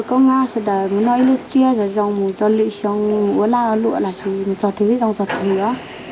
công an sẽ đợi nó ý lực chia rồi rồi mình cho lựa là lựa là rồi mình cho thứ rồi mình cho thị nữa